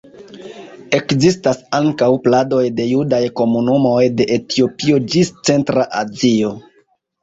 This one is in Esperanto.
Ekzistas ankaŭ pladoj de judaj komunumoj de Etiopio ĝis Centra Azio.